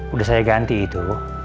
udah saya ganti itu